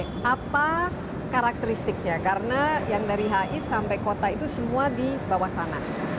tapi apa karakteristiknya karena yang dari hi sampai kota itu semua di bawah tanah